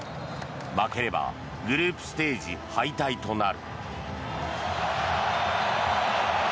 負ければグループステージ敗退となる。